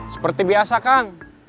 seperti biasa kang